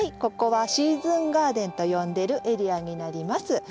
ここは「シーズンガーデン」と呼んでるエリアになります。